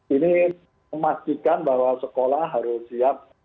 ini memastikan bahwa sekolah harus siap